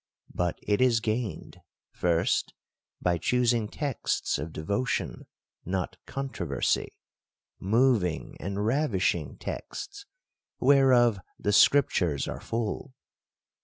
But it is gained, — First, by choosing textsof devotion, not contro versy ; moving and ravishing texts, whereof the scrip tures are full.